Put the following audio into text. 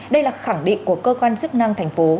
đây là khẳng định của cơ quan chức năng thành phố